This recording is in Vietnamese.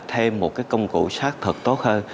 thêm một cái công cụ xác thực tốt hơn